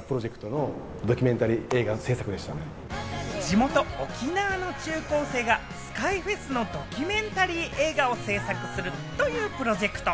地元・沖縄の中高生が「ＳＫＹＦｅｓ」のドキュメンタリー映画を制作するというプロジェクト。